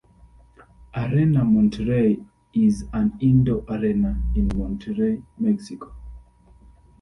Arena Monterrey is an indoor arena in Monterrey, Mexico.